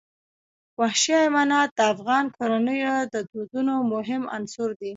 وحشي حیوانات د افغان کورنیو د دودونو مهم عنصر دی.